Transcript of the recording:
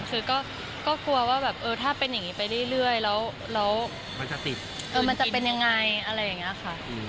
คือก็กลัวว่าแบบเออถ้าเป็นอย่างนี้ไปเรื่อยแล้วมันจะเป็นยังไงอะไรอย่างนี้ค่ะ